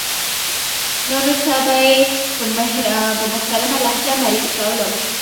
نورو ته به یې په محترمه لهجه معرفي کولم.